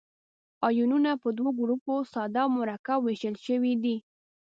آیونونه په دوه ګروپو ساده او مرکب ویشل شوي دي.